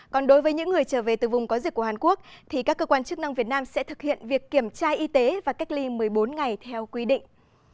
còn đối với những người trở về từ vùng có dịch của hàn quốc thì các cơ quan chức năng việt nam sẽ thực hiện việc kiểm tra y tế và cách ly một mươi bốn ngày theo quy định